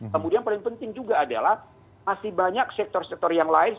kemudian paling penting juga adalah masih banyak sektor sektor yang lain